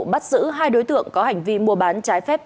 bắt giữ hai đối tượng có hành vi mua bán trái phép